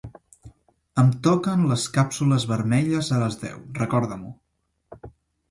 Em toquen les càpsules vermelles a les deu, recorda-m'ho.